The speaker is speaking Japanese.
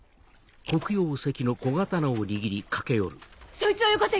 そいつをよこせ！